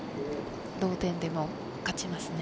同点でも勝ちますね。